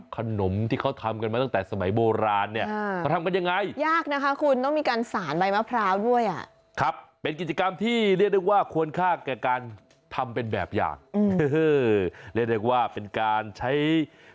ขนมที่เขาทำกันมาตั้งแต่สมัยโบราณเนี่ยเขาทำกันยังไง